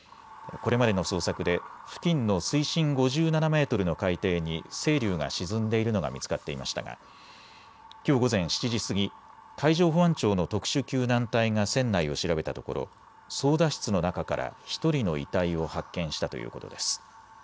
これまでの捜索で付近の水深５７メートルの海底にせいりゅうが沈んでいるのが見つかっていましたがきょう午前７時過ぎ、海上保安庁の特殊救難隊が船内を調べたところ、操だ室の中から１人の遺体を発見したということです。